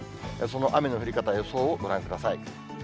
その雨の降り方、予想をご覧ください。